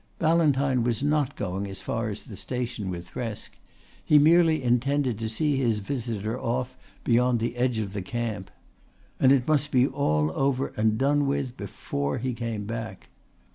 Ballantyne was not going as far as the station with Thresk. He merely intended to see his visitor off beyond the edge of the camp. And it must all be over and done with before he came back.